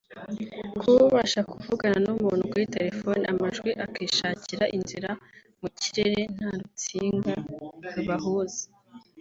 Kuba ubasha kuvugana n’umuntu kuri telephone amajwi akishakira inzira mu kirere nta rutsinga rubahuza